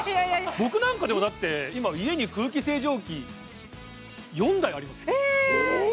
僕なんかでもだって今家に空気清浄機４台ありますよえっ